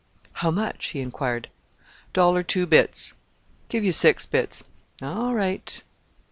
"How much?" he inquired. "Dollar two bits." "Give you six bits." "All right."